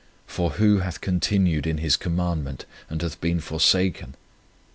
For who hath continued in His commandment, and hath been forsaken?"